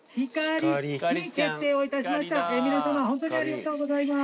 皆様ホントにありがとうございます。